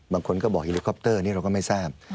บางคนก็บอกเฮลิคอปเตอร์นี้เราก็ไม่ทราบ